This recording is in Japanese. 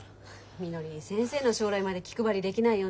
みのり先生の将来まで気配りできないよね。